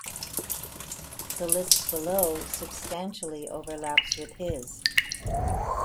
The list below substantially overlaps with his.